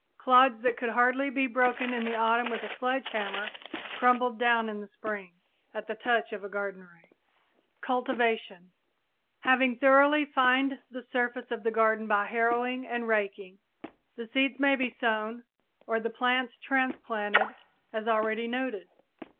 Clods that could hardly be broken in the autumn with a sledge hammer crumbled down in the spring at the touch of a garden rake! CULTIVATION Having thoroughly fined the surface of the garden by harrowing and raking, the seeds may be sown or the plants transplanted as already noted.